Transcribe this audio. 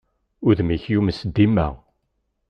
Udem-ik yumes dima.